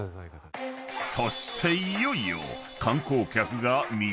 ［そしていよいよ］